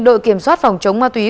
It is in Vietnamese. đội kiểm soát phòng chống ma túy